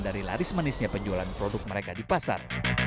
dari laris manisnya penjualan produk mereka di pasar